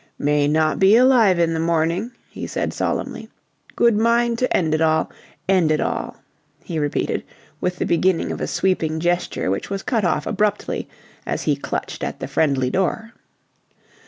"May not be alive in the morning," he said solemnly. "Good mind to end it all. End it all!" he repeated with the beginning of a sweeping gesture which was cut off abruptly as he clutched at the friendly door.